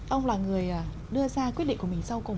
ông là người đưa ra quyết định của mình sau cùng